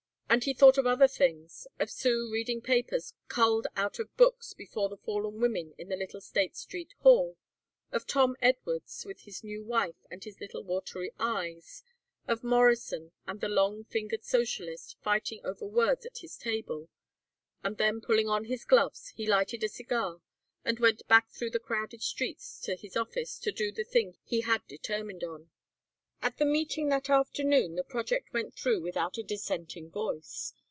And he thought of other things, of Sue reading papers culled out of books before the fallen women in the little State Street hall, of Tom Edwards with his new wife and his little watery eyes, of Morrison and the long fingered socialist fighting over words at his table. And then pulling on his gloves he lighted a cigar and went back through the crowded streets to his office to do the thing he had determined on. At the meeting that afternoon the project went through without a dissenting voice.